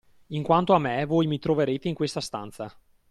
In quanto a me, voi mi troverete in questa stanza.